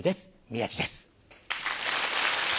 宮治です。